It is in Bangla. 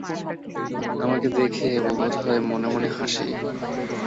আমাকে দেখে ও বোধ হয় মনে মনে হাসে।